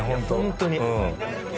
ホントに。